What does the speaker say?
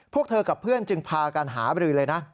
พวกเธอกับเพื่อนจึงพากันหาบรือเลยนะ